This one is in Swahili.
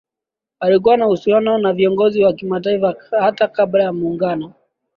Walikuwa na uhusiano na viongozi wa kimataifa hata kabla ya Muungano